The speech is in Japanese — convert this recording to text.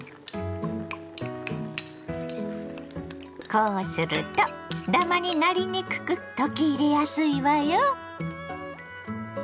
こうするとだまになりにくく溶き入れやすいわよ。